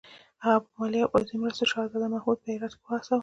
هغه په مالي او پوځي مرستو شهزاده محمود په هرات کې وهڅاوه.